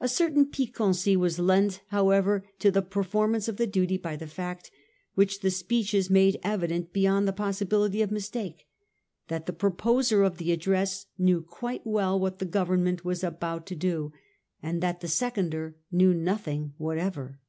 A certain piquancy was lent, however, to the performance of the duty by the fact, which the speeches made evident beyond the possibility of mis take, that the proposer of the address knew quite well what the Government were about to do, and that the seconder knew nothing whatever.